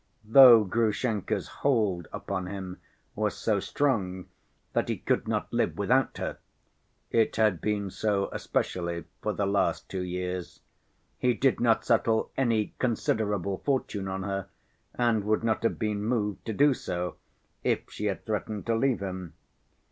Though Grushenka's hold upon him was so strong that he could not live without her (it had been so especially for the last two years), he did not settle any considerable fortune on her and would not have been moved to do so, if she had threatened to leave him.